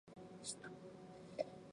穆阿库尔。